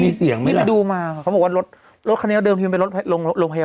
มีเสียงเค้าพูดแล้วเค้าก็ซื้อ